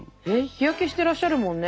日焼けしてらっしゃるもんね